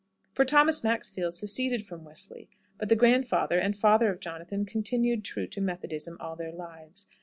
For Thomas Maxfield seceded from Wesley, but the grandfather and father of Jonathan continued true to Methodism all their lives.